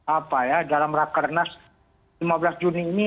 apa ya dalam rakernas lima belas juni ini